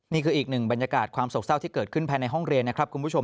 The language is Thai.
นี่คืออีกหนึ่งบรรยากาศความโศกเศร้าที่เกิดขึ้นภายในห้องเรียนนะครับคุณผู้ชม